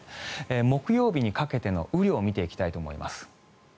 木曜日にかけての雨量を見ていきたいと思います。